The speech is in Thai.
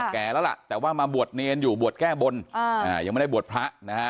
แก่แล้วล่ะแต่ว่ามาบวชเนรอยู่บวชแก้บนยังไม่ได้บวชพระนะฮะ